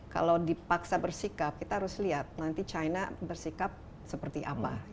kalau dipaksa bersikap kita harus lihat nanti china bersikap seperti apa